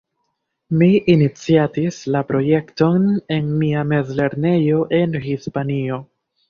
Mi iniciatis la projekton en mia mezlernejo en Hispanio.